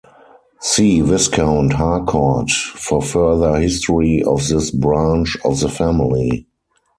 See Viscount Harcourt for further history of this branch of the family.